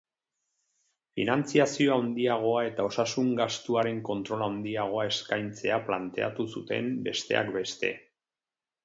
Finantziazio handiagoa eta osasun gastuaren kontrol handiagoa eskaintzea planteatu zuten, besteak beste.